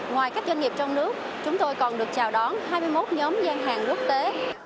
ngoài các doanh nghiệp trong nước chúng tôi còn được chào đón hai mươi một nhóm gian hàng quốc tế